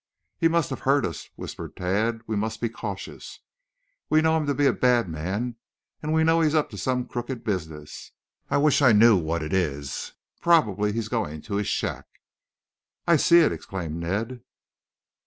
"He must have heard us," whispered Tad. "We must be cautious. We know him to be a bad man and we know he is up to some crooked business. I wish I knew just what it is. Probably he's going to his shack." "I see it!" exclaimed Ned.